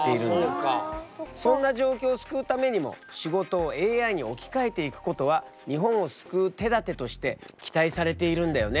そんな状況を救うためにも仕事をＡＩに置き換えていくことは日本を救う手だてとして期待されているんだよね？